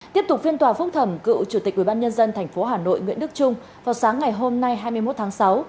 tiếp tục phiên tòa phúc thẩm cựu chủ tịch ubnd tp hà nội nguyễn đức trung vào sáng ngày hôm nay hai mươi một tháng sáu